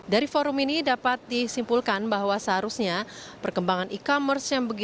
dari forum ini dapat disimpulkan bahwa seharusnya perkembangan e commerce yang berbeda